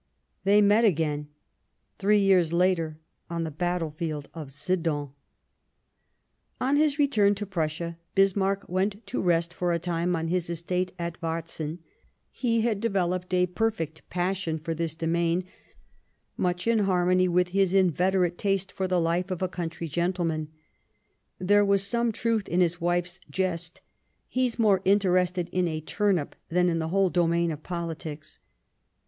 They met again, three years later, on the battle field of Sedan, H 113 Bismarck On his return to Prussia, Bismarck went to rest for a time on his estate at Varzin ; he had de veloped a perfect passion for this domain, much in harmony with his inveterate taste for the Hfe of a country gentleman. There was some truth in his wife's jest :" He's more interested in a turnip than in the whole domain of politics."